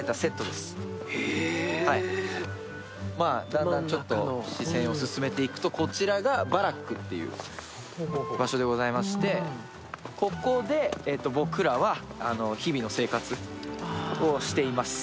だんだん視線を進めていくと、こちらがバラックという場所でございましてここで僕らは日々の生活をしています。